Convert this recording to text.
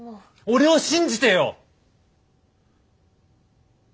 俺を信じてよ！